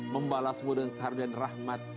membalasmu dengan karunian rahmat